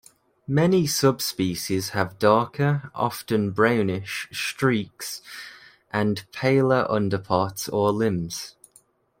Many subspecies have darker, often brownish, streaks, and paler underparts or limbs.